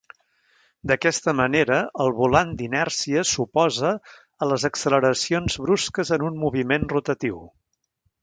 D'aquesta manera el volant d'inèrcia s'oposa a les acceleracions brusques en un moviment rotatiu.